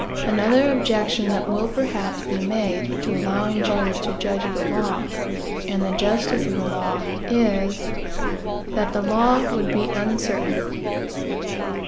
Another objection that will perhaps be made to allowing jurors to judge of the law, and the justice of the law, is, that the law would be uncertain.